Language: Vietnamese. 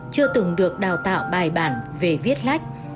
chưa từng được đào tạo bài bản về viết lách